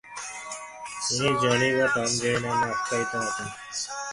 তিনি জনি বা John Tommy নামে আখ্যায়িত হতেন।